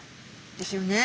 ですよね。